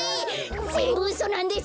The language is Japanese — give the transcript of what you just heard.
ぜんぶうそなんです！